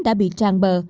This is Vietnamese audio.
đã bị tràn bờ